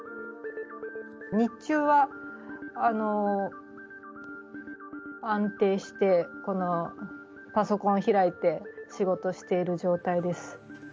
日中は安定して、このパソコンを開いて、仕事している状態です。